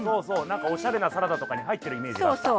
何かおしゃれなサラダとかに入ってるイメージがあった。